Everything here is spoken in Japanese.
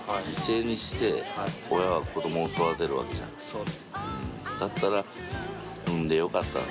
そうですね。